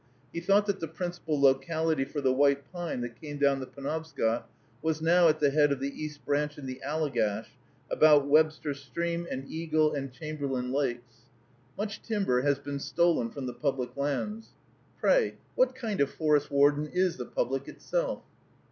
He thought that the principal locality for the white pine that came down the Penobscot now was at the head of the East Branch and the Allegash, about Webster Stream and Eagle and Chamberlain lakes. Much timber has been stolen from the public lands. (Pray, what kind of forest warden is the Public itself?)